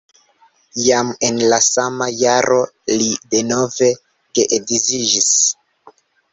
Jam en la sama jaro li denove geedziĝis.